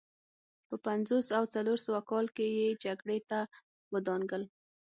په یو پنځوس او څلور سوه کال کې یې جګړې ته ودانګل